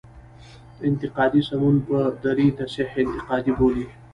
انتقادي سمون په دري تصحیح انتقادي بولي.